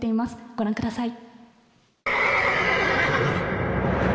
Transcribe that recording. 御覧ください。